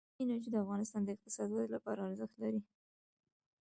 بادي انرژي د افغانستان د اقتصادي ودې لپاره ارزښت لري.